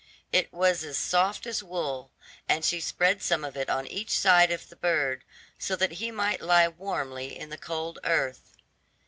It was as soft as wool, and she spread some of it on each side of the bird, so that he might lie warmly in the cold earth.